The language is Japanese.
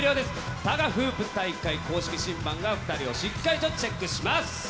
タガフープ大会公式審判が２人をしっかりとチェックします。